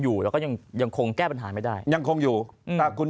อยู่แล้วก็ยังยังคงแก้ปัญหาไม่ได้ยังคงอยู่อืมแต่คุณ